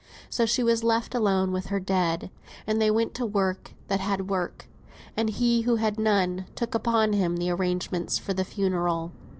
So she was left alone with her dead, and they went to work that had work, and he who had none, took upon him the arrangements for the funeral.